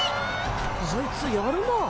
あいつやるなぁ。